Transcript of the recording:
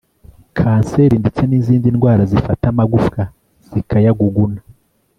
Kanseri ndetse n’izindi ndwara zifata amagufwa zikayaguguna